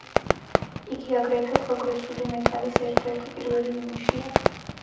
იგი აგრეთვე პროგრესული მეტალის ერთ-ერთი პირველი ნიმუშია.